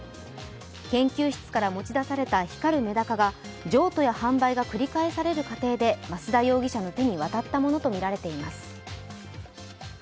研究室から持ち出された光るメダカが譲渡や販売が繰り返される過程で増田容疑者の手に渡ったものとみられています。